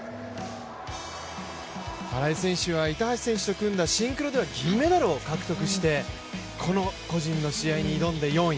荒井選手は板橋選手と組んだシンクロでは銀メダルを獲得して個人の試合に挑んで挑んで４位。